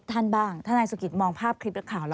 ท่านบ้างถ้านายสุกิตมองภาพคลิปและข่าวแล้ว